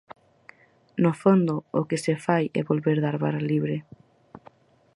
No fondo, o que se fai é volver dar barra libre.